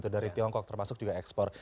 dari tiongkok termasuk juga ekspor